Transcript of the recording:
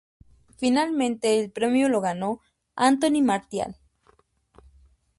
Finalmente el premio lo ganó Anthony Martial.